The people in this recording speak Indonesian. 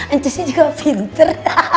ancusnya juga pinter